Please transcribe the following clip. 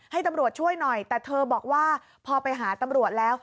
ให้ตำรวจช่วยหน่อยแต่เธอบอกว่าพอไปหาตำรวจแล้ว